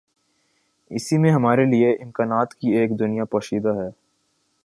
اسی میں ہمارے لیے امکانات کی ایک دنیا پوشیدہ ہے۔